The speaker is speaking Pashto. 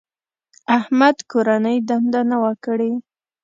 احمد کورنۍ دنده نه وه کړې.